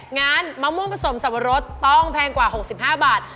งั้นมะม่วงผสมสับปะรดต้องแพงกว่า๖๕บาท